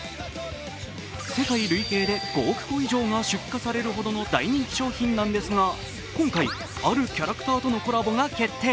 世界累計で５億個以上が出荷されるほどの大人気商品なんですが、今回あるキャラクターとのコラボが決定。